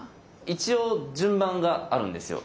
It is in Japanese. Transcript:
一応順番があるんですよ。